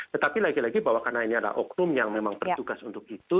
tetapi lagi lagi bahwa karena ini adalah oknum yang memang bertugas untuk itu